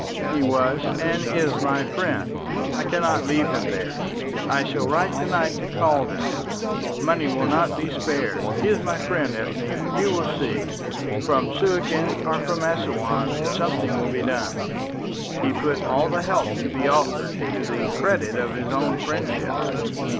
"He was and is my friend; I cannot leave him there. I shall write to night to Calder. Money will not be spared. He is my friend, Ethne. You will see. From Suakin or from Assouan something will be done." He put all the help to be offered to the credit of his own friendship.